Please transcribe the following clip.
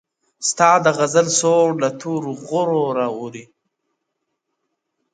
o ه ستا د غزل سور له تورو غرو را اوړي؛